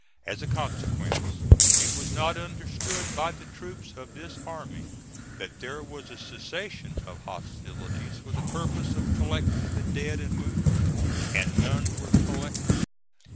As a consequence, it was not understood by the troops of this army that there was a cessation of hostilities for the purpose of collecting the dead and wounded, and none were collected.